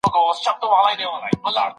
ولي د استراداد تړونونه مهم دي؟